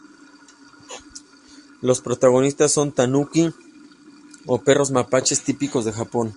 Los protagonistas son "tanuki", o perros mapache típicos de Japón.